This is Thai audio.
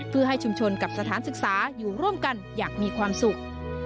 เพื่อให้ชุมชนกับสถานศึกษาอยู่ร่วมกันอย่างมีความสุข